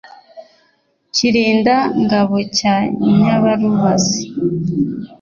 kirinda-ngabo cya nyabarubazi